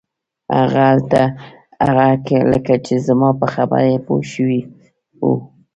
هغه لکه چې زما په خبره پوی شوی و.